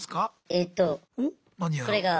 えとこれが。